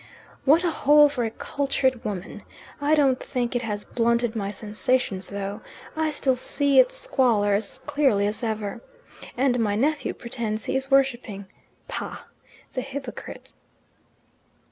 "What a hole for a cultured woman! I don't think it has blunted my sensations, though; I still see its squalor as clearly as ever. And my nephew pretends he is worshipping. Pah! the hypocrite."